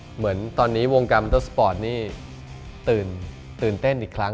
เหมือนตอนนี้วงกรรมเตอร์สปอร์ตนี่ตื่นเต้นอีกครั้ง